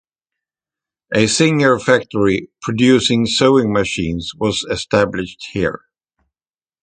A "Singer" factory producing sewing machines was established here.